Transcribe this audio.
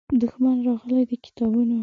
دښمن راغلی د کتابونو